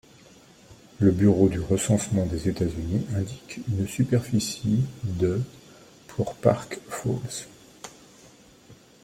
Le Bureau du recensement des États-Unis indique une superficie de pour Park Falls.